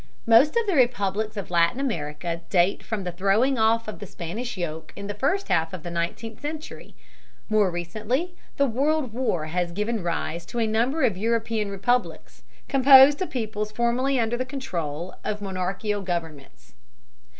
Most of the republics of Latin America date from the throwing off of the Spanish yoke in the first half of the nineteenth century. More recently, the World War has given rise to a number of European republics, composed of peoples formerly under the control of monarchical governments.